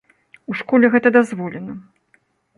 У школе гэта дазволена.